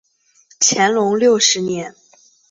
乾隆六十年。